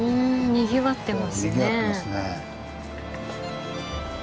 にぎわってますね。